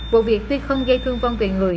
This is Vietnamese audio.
vụ việc tuy không gây thương vong tuyệt người